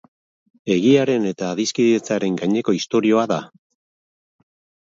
Egiaren eta adiskidetzearen gaineko istorioa da.